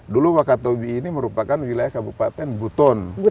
dulu wakatobi ini merupakan wilayah kabupaten buton